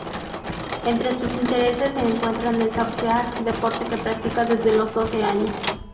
Entre sus intereses se encuentran el surfear, deporte que practica desde los doce años.